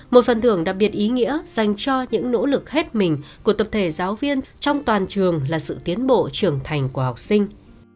một phần thưởng đặc biệt ý nghĩa dành cho những nỗ lực hết mình của tập thể giáo viên trong toàn trường là sự tiến bộ trưởng thành của học sinh